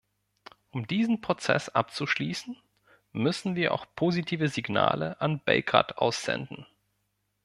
Um diesen Prozess abzuschließen, müssen wir auch positive Signale an Belgrad aussenden.